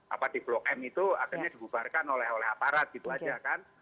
apa di blok m itu akhirnya dibubarkan oleh aparat gitu aja kan